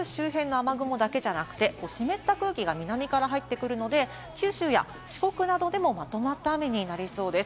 台風周辺の雨雲だけじゃなくて湿った空気が南から入ってくるので、九州や四国などでも、まとまった雨になりそうです。